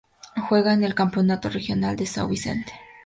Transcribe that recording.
Juega en el Campeonato regional de São Vicente.